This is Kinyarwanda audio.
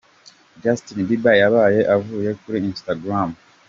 Justin Bieber yabaye avuye kuri Instagram.